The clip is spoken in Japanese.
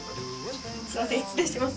すみません失礼します。